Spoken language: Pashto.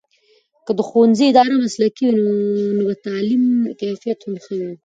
که د ښوونځي اداره مسلکي وي، نو به د تعلیم کیفیت هم ښه وي.